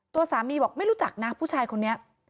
ตัวสามีบอกไม่รู้จักนะผู้ชายคนนี้